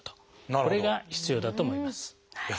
これが必要だと思います。